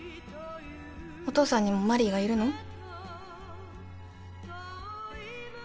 お父さんにもマリーがいるの？